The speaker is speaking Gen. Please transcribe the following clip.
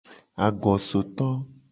Agosoto.